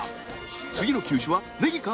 次の球種はねぎか？